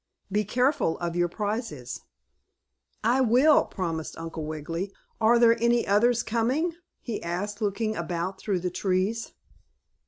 Be careful of your prizes." "I will," promised Uncle Wiggily. "Are there any others coming?" he asked, looking about through the trees.